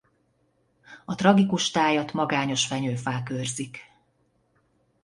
A tragikus tájat magányos fenyőfák őrzik.